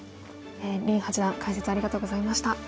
林八段解説ありがとうございました。